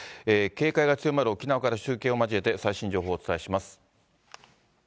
警戒が強まる沖縄から、中継を交えて最新情報をお伝えします。